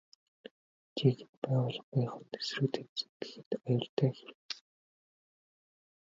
Жинхэнэ байгууллынх нь эсрэг тэмцэнэ гэхэд аюултай хэрэг.